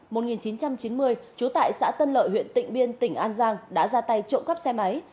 năm một nghìn chín trăm chín mươi trú tại xã tân lợi huyện tịnh biên tỉnh an giang đã ra tay trộm cắp xe máy